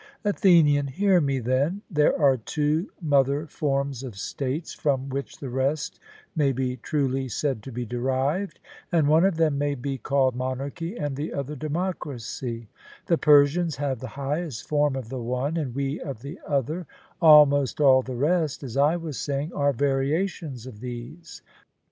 ATHENIAN: Hear me, then: there are two mother forms of states from which the rest may be truly said to be derived; and one of them may be called monarchy and the other democracy: the Persians have the highest form of the one, and we of the other; almost all the rest, as I was saying, are variations of these.